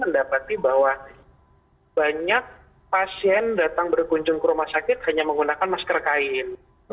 mendapati bahwa banyak pasien datang berkunjung ke rumah sakit hanya menggunakan masker kain